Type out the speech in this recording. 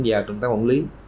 giao trong tác phẩm lý